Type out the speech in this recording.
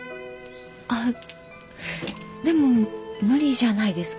あでも無理じゃないですか？